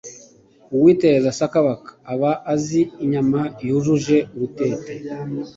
uwiterereza sakabaka ,aba azi inyama yujuje urutete